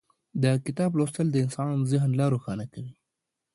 د کتاب لوستل د انسان ذهن لا روښانه کوي.